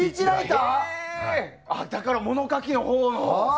だから物書きのほうの。